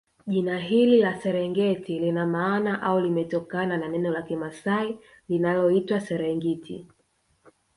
Jina hili la Serengeti lina maana au limetokana na neno la kimasai linaloitwa Serengiti